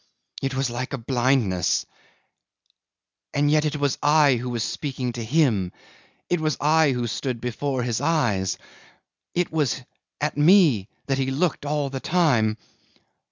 It was like a blindness and yet it was I who was speaking to him; it was I who stood before his eyes; it was at me that he looked all the time!